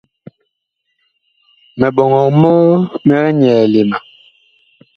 Miɓɔŋɔg mɔɔ mig nyɛɛle ma.